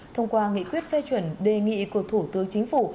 thông qua nghị quyết phê chuẩn đề nghị của thủ tướng chính phủ